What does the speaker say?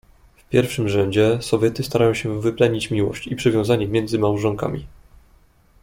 "W pierwszym rzędzie Sowiety starają się wyplenić miłość i przywiązanie między małżonkami."